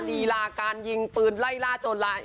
ลีลาการยิงปืนไล่ล่าโจรลาย